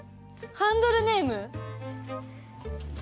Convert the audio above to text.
ハンドルネーム？